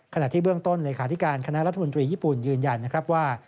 ขณะที่เบื้องต้นหลักขาดิการคณะรัฐบุญตรีญี่ปุ่นยืนยันว่า